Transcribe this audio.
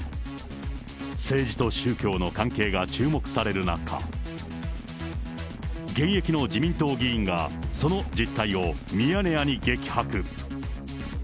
政治と宗教の関係が注目される中、現役の自民党議員が、その実態をミヤネ屋に激白。